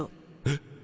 えっ？